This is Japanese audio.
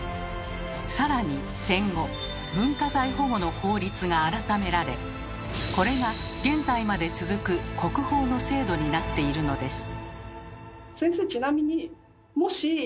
更に戦後文化財保護の法律が改められこれが現在まで続く「国宝」の制度になっているのです。